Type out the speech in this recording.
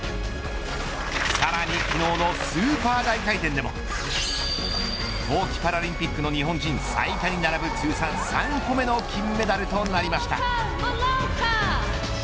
さらに昨日のスーパー大回転でも冬季パラリンピックの日本人最多に並ぶ通算３個目の金メダルとなりました。